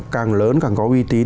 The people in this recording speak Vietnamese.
càng lớn càng có uy tín